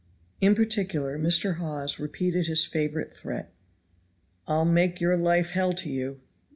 In particular Mr. Hawes repeated his favorite threat "I'll make your life hell to you."